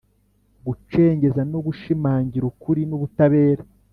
Gucengeza no gushimangira ukuri n ubutabera